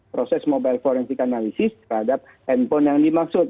proses mobile forensik analisis terhadap handphone yang dimaksud